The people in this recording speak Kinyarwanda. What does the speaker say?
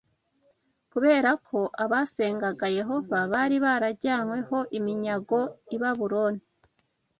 Kubera ko abasengaga Yehova bari barajyanyweho iminyago i Babuloni,